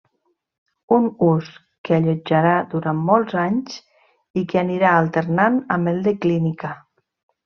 Un ús que allotjarà durant molts anys i que anirà alternant amb el de clínica.